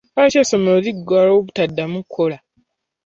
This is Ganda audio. Lwaki essomero liggalwa obutaddamu kukola?